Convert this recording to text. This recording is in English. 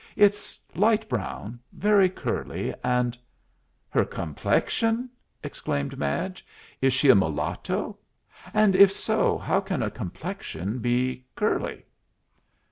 It's light brown, very curly, and " "Her complexion!" exclaimed Madge. "Is she a mulatto? And, if so, how can a complexion be curly?"